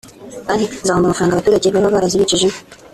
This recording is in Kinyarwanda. banki zahomba amafaranga abaturage baba barazibikijemo